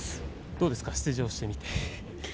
どうですか、出場してみて。